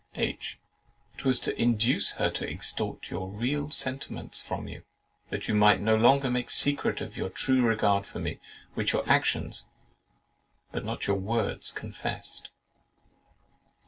H. "It was to induce her to extort your real sentiments from you, that you might no longer make a secret of your true regard for me, which your actions (but not your words) confessed."